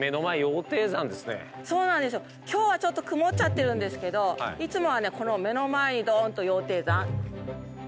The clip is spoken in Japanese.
今日は、ちょっと曇っちゃってるんですけどいつもはね、この目の前にどーんと羊蹄山。